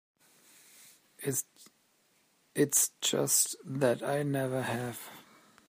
It's just that I never have.